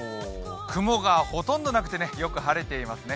雲がほとんどなくてよく晴れていますね。